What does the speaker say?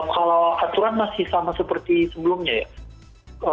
kalau aturan masih sama seperti sebelumnya ya